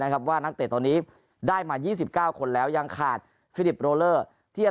นะครับว่าตอนนี้ได้มา๒๙คนแล้วยังขาดฟิลิปโรลเหลอที่จะ